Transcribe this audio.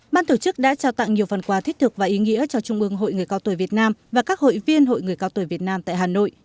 ban tổ chức đã trao tặng nhiều phần quà thích thực và ý nghĩa cho trung ương hội người cao tuổi việt nam và các hội viên hội người cao tuổi việt nam tại hà nội